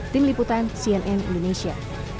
tim liputan cnn indonesia